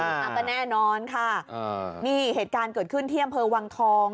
อ่าก็แน่นอนค่ะอ่านี่เหตุการณ์เกิดขึ้นที่อำเภอวังทอง